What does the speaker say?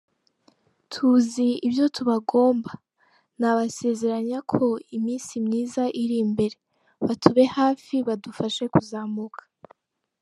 Tuzi ibyo tubagomba, nabasezeranya ko iminsi myiza iri imbere, batube hafi badufashe kuzamuka.